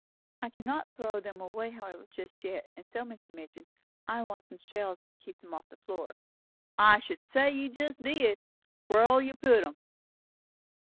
"I cannot throw them away however, just yet; and so, Mr. Midgin, I want some shelves to keep them off the floor." "I should say you jest did! Where'll you put 'em?"